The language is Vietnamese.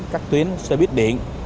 các tuyến xe buýt điện